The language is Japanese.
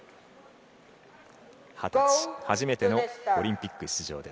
初めてのオリンピック出場。